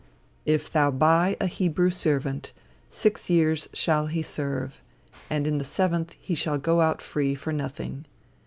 "If thou buy a Hebrew servant, six years shall he serve: and in the seventh he shall go out free for nothing.